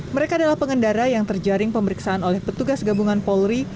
mereka adalah pengendara yang terjaring pemeriksaan oleh petugas gabungan polri